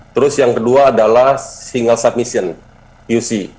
terus yang kedua adalah single submission uc